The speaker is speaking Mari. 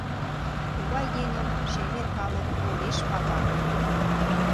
Тугай еҥым шемер калык огеш пагале.